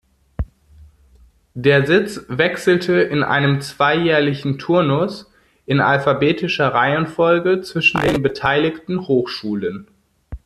Der Sitz wechselte in einem zweijährlichen Turnus in alphabetischer Reihenfolge zwischen den beteiligten Hochschulen.